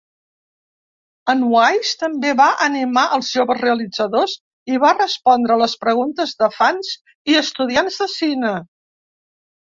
En Wise també va animar els joves realitzadors i va respondre les preguntes de fans i estudiants de cine.